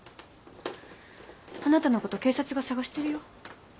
あなたのこと警察が捜してるよ。